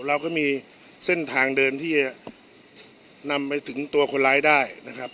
เราก็มีเส้นทางเดิมที่จะนำไปถึงตัวคนร้ายได้นะครับ